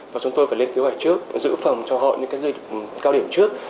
và chúng tôi phải lên kế hoạch trước giữ phòng cho họ những cái dịp cao điểm trước